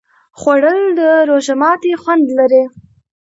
خوړل د روژه ماتي خوند لري